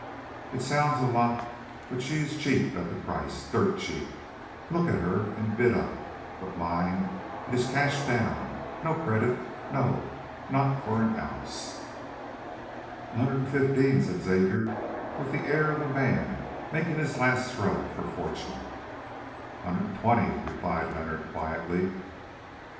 It sounds a lot, but she is cheap at the price, dirt cheap. Look at her and bid up. But mind, it is cash down—no credit, no, not for an ounce." "A hundred and fifteen," said Xavier, with the air of a man making his last throw for fortune. "A hundred and twenty," replied Leonard quietly.